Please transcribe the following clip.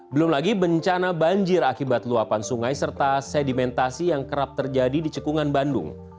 belum lagi bencana banjir akibat luapan sungai serta sedimentasi yang kerap terjadi di cekungan bandung